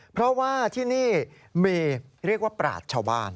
เพราะว่าที่นี่มีเรียกว่าปราศชาวบ้าน